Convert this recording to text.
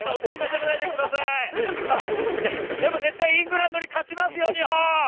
絶対イングランドに勝ちますよ、日本！